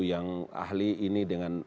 yang ahli ini dengan